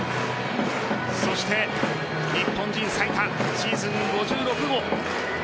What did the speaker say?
そして日本人最多シーズン５６号。